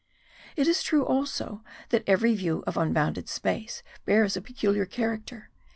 It is true, also, that every view of unbounded space bears a peculiar character.